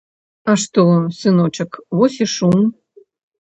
А што, сыночак, вось і шум.